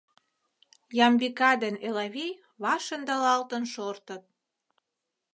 Ямбика ден Элавий ваш ӧндалалтын шортыт.